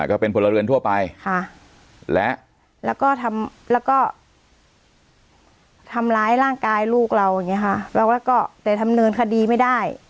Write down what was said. ก็เป็นพลเรือนทั่วไปแล้วก็ทำร้ายร่างกายลูกเราแต่ทำเนินคดีไม่ได้